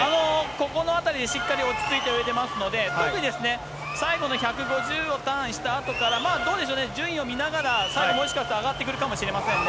ここのあたりでしっかり落ち着いて泳いでいますので、特に最後の１５０をターンしたあとから、どうでしょうね、順位を見ながら、最後、もしかしたら上がってくるかもしれませんね。